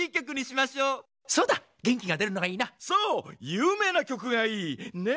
有名な曲がいい。ね？